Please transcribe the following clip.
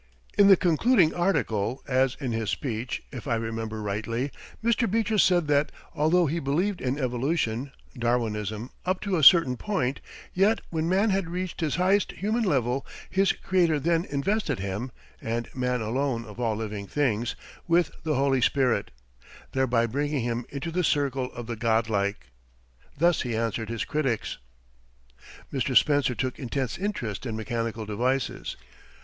In the concluding article, as in his speech, if I remember rightly, Mr. Beecher said that, although he believed in evolution (Darwinism) up to a certain point, yet when man had reached his highest human level his Creator then invested him (and man alone of all living things) with the Holy Spirit, thereby bringing him into the circle of the godlike. Thus he answered his critics. Mr. Spencer took intense interest in mechanical devices.